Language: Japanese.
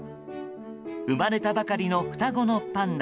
生まれたばかりの双子のパンダ。